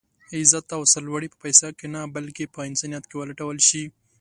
عزت او سر لوړي په پيسه کې نه بلکې په انسانيت کې ولټول شي.